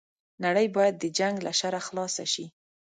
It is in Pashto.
نړۍ بايد د جنګ له شره خلاصه شي